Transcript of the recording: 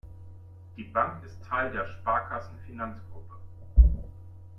Die Bank ist Teil der Sparkassen-Finanzgruppe.